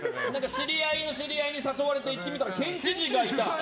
知り合いの知り合いに誘われて行ってみたら県知事がいた。